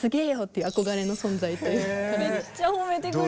めっちゃ褒めてくれる。